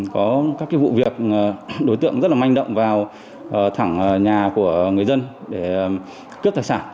có các vụ việc đối tượng rất là manh động vào thẳng nhà của người dân để cướp tài sản